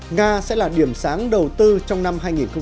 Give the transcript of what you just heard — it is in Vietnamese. nga sẽ là điểm sáng đầu tư trong năm hai nghìn một mươi bảy